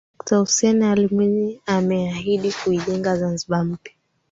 Dokta Hussein Ali Mwinyi ameahidi kuijenga Zanzibar mpya